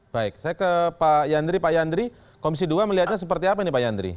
baik saya ke pak yandri pak yandri komisi dua melihatnya seperti apa ini pak yandri